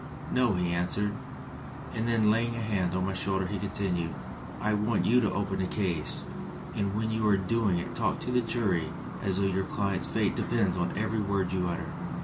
'No,' he answered; and then laying a hand on my shoulder, he continued: 'I want you to open the case, and when you are doing it talk to the jury as though your client's fate depends on every word you utter.